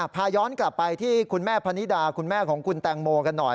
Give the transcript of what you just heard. พาย้อนกลับไปที่คุณแม่พนิดาคุณแม่ของคุณแตงโมกันหน่อย